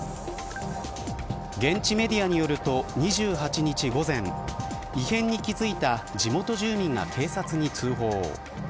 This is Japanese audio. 現地メディアによると２８日午前異変に気付いた地元住民が警察に通報。